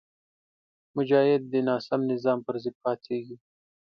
مجاهد د ناسم نظام پر ضد پاڅېږي.